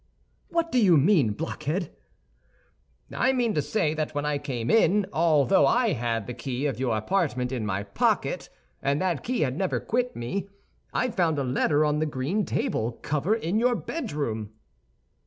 "What do you mean, blockhead?" "I mean to say that when I came in, although I had the key of your apartment in my pocket, and that key had never quit me, I found a letter on the green table cover in your bedroom."